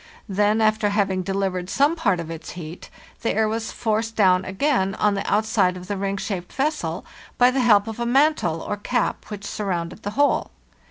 Then, after having delivered some part of its heat, the air was forced down again on the outside of the ring shaped vessel by the help of a mantle, or cap, which sur rounded the whole.